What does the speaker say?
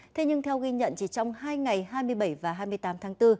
thế nhưng theo ghi nhận chỉ trong hai ngày hai mươi bảy và hai mươi tám tháng bốn